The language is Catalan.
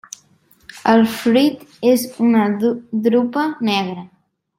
El fruit és una drupa negra.